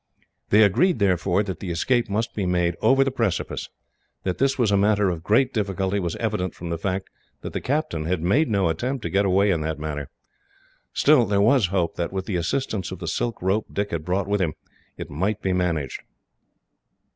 They agreed, therefore, that the escape must be made over the precipice. That this was a matter of great difficulty was evident from the fact that the captain had made no attempt to get away in that manner. Still, there was hope that, with the assistance of the silk rope Dick had brought with them, it might be managed.